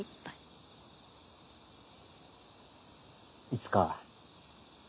いつか。